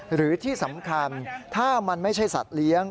หรือที่สำคัญถ้ามันไม่ใช่สัตว์เลี้ยง